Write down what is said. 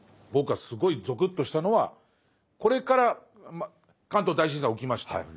僕がすごいぞくっとしたのはこれから関東大震災起きました。